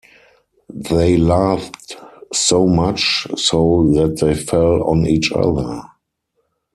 They laughed so much so that they fell on each other.